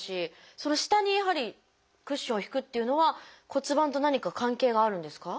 その下にやはりクッションを敷くっていうのは骨盤と何か関係があるんですか？